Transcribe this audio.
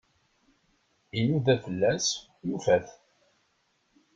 Inuda fell-as, yufa-t.